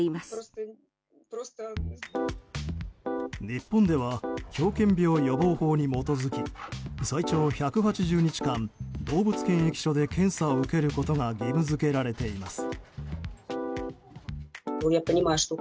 日本では狂犬病予防法に基づき最長１８０日間、動物検疫所で検査を受けることが義務付けられています。